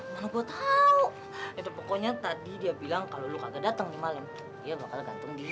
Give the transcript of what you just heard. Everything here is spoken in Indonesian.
tidak tahu itu pokoknya tadi dia bilang kalo lo kagak datang nih malem dia bakal gantung diri